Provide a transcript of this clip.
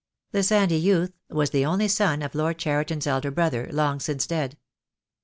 The sandy youth was the only son of Lord Cheriton's elder brother, long since dead.